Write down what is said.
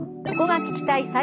「ここが聞きたい！